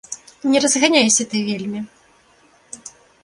Не разганяйся ты вельмі!